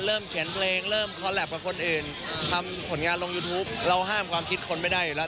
เขียนเพลงเริ่มคอนแล็ปกับคนอื่นทำผลงานลงยูทูปเราห้ามความคิดคนไม่ได้อยู่แล้ว